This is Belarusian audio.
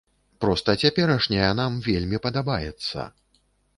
Проста цяперашняя нам вельмі падабаецца.